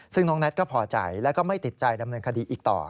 ซึ่งน้องแน็ตก็พอใจแล้วก็ไม่ติดใจดำเนินคดีอีกต่อ